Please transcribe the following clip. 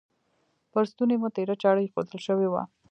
پر ستوني مو تیره چاړه ایښودل شوې وه.